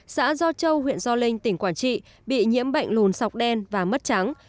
xã do châu huyện do linh tỉnh quảng trị bị nhiễm bệnh lùn sọc đen và mất trắng